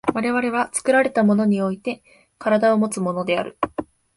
我々は作られたものにおいて身体をもつのである。